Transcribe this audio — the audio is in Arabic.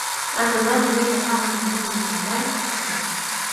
لا تزال ليلى تعمل من أجل استرجاع صحّتها.